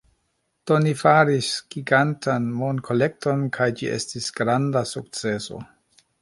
Do, ni faris gigantan monkolekton kaj ĝi estis granda sukceso